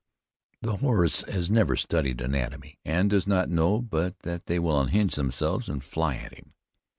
The horse has never studied anatomy, and does not know but they will unhinge themselves and fly at him.